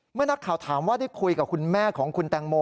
นักข่าวถามว่าได้คุยกับคุณแม่ของคุณแตงโม